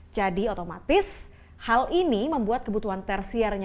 jadi otomatis hal ini membuat kebutuhan tersiernya